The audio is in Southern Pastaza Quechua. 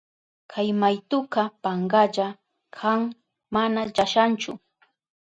Kay maytuka pankalla kan, mana llashanchu.